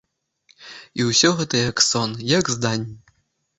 І ўсё гэта як сон, як здань.